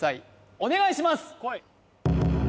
お願いします